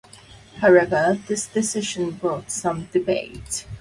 However, this decision brought some debate.